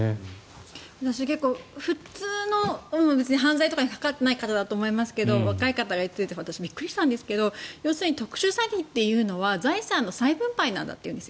私、結構普通の犯罪とかに関わってない方だと思いますけど若い方が言っていて私、びっくりしたんですが要するに、特殊詐欺というのは財産の再分配なんだと言うんです。